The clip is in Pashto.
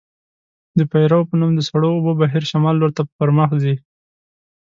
د پیرو په نوم د سړو اوبو بهیر شمال لورته پرمخ ځي.